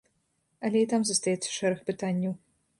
Але і там застаецца шэраг пытанняў.